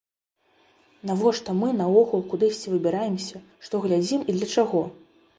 Навошта мы наогул кудысьці выбіраемся, што глядзім і для чаго?